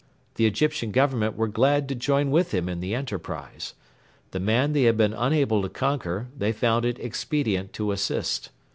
The Egyptian Government were glad to join with him in the enterprise. The man they had been unable to conquer, they found it expedient to assist.